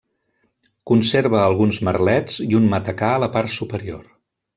Conserva alguns merlets i un matacà a la part superior.